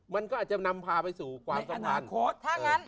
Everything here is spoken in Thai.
มันก็อาจจะนำพาไปสู่ความสำคัญ